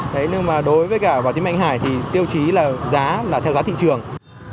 đấy nhưng mà đối với cả bảo tí mạnh hải thì tiêu chí là giá là theo giá thị trường